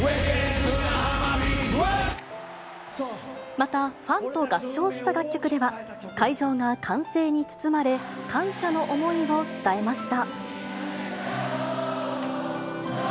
また、ファンと合唱した楽曲では会場が歓声に包まれ、感謝の思いを伝えました。